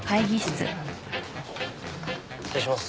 失礼します。